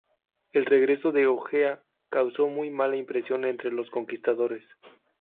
El regreso de Ojea causó muy mala impresión entre los conquistadores.